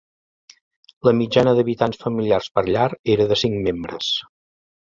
La mitjana d'habitants familiars per llar era de cinc membres.